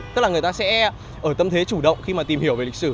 tức là người ta sẽ ở tâm thế chủ động khi mà tìm hiểu về lịch sử